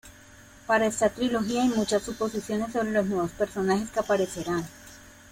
Para esta trilogía hay muchas suposiciones sobre los nuevos personajes que aparecerán.